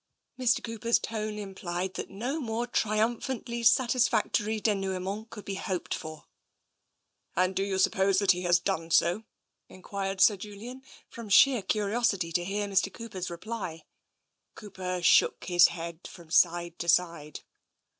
Mr. Cooper's tone implied that no more triumphantly satisfactory denouement could be hoped for. " And do you suppose that he has done so ?" en quired Sir Julian, from sheer curiosity to hear Mr. Cooper's reply. Cooper shook his head from side to side.